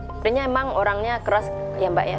sebenarnya emang orangnya keras ya mbak ya